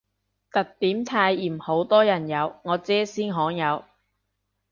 特典泰妍好多人有，我姐先罕有